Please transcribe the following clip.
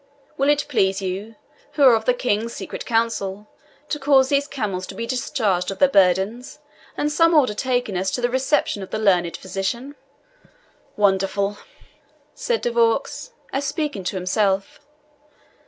Will it please you, who are of the King's secret council, to cause these camels to be discharged of their burdens, and some order taken as to the reception of the learned physician?" "Wonderful!" said De Vaux, as speaking to himself.